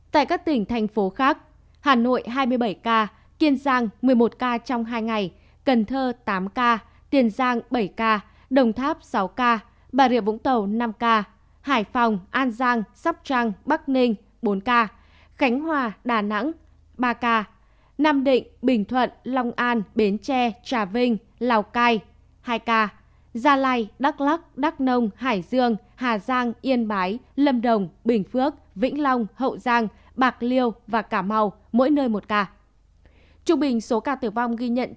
tại các tỉnh thành phố khác hà nội hai mươi bảy ca kiên giang một mươi một ca trong hai ngày cần thơ tám ca tiền giang bảy ca đồng tháp sáu ca bà rịa vũng tàu năm ca hải phòng an giang sóc trăng bắc ninh bốn ca khánh hòa đà nẵng ba ca nam định bình thuận long an bến tre trà vinh lào cai hai ca gia lai đắk lắc đắk nông hải dương hà giang yên bái lâm đồng bình phước vĩnh long hà giang đắk lắc đắk nông hải dương hà giang yên bái lâm đồng bình phước vĩnh long